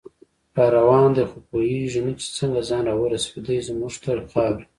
راروان دی خو پوهیږي نه چې څنګه، ځان راورسوي دی زمونږ تر خاورې